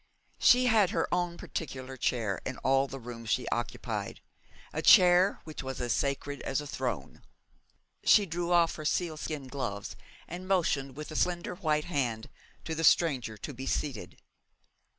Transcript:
She had her own particular chair in all the rooms she occupied a chair which was sacred as a throne. She drew off her sealskin gloves, and motioned with a slender white hand to the stranger to be seated.